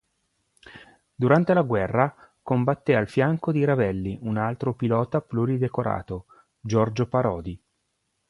Durante la guerra, combatté al fianco di Ravelli, un altro pilota pluridecorato: Giorgio Parodi.